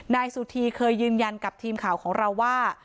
นายสุธีเคยยืนยันกับทีมข่าวของเราว่า